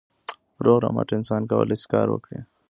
روغ رمټ انسان کولای سي کار وکړي.